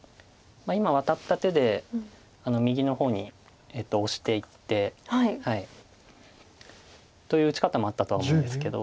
今ワタった手で右の方にオシていって。という打ち方もあったとは思うんですけど。